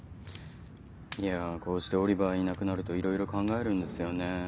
いやこうしてオリバーいなくなるといろいろ考えるんですよね。